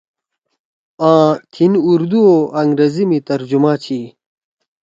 آں تھیِن اردو او انگریزی می ترجمہ چھی۔